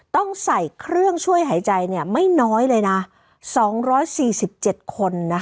ต้องใส่เครื่องช่วยหายใจไม่น้อยเลยนะ๒๔๗คน